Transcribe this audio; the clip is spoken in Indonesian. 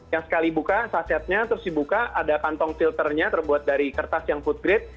yang sekali buka sasetnya terus dibuka ada kantong filternya terbuat dari kertas yang food grade